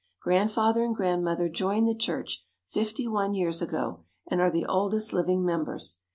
Grandfather and Grandmother joined the church fifty one years ago and are the oldest living members.